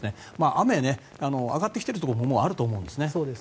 雨、上がってきているところもあると思うんでね。